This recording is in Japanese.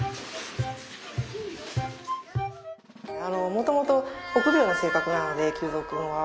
もともと臆病な性格なので臼三君は。